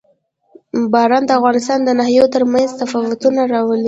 باران د افغانستان د ناحیو ترمنځ تفاوتونه راولي.